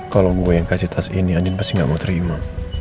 kalau gue yang kasih tas ini aja pasti nggak mau terima